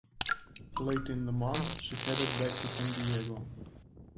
Later in the month, she headed back to San Diego.